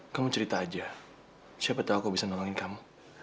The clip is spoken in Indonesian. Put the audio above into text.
kamu cerita aja siapa tau aku bisa nolongin kamu